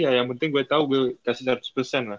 yah yang penting gue tau gue kasih seratus lah